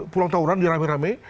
pulang tawuran dia rame rame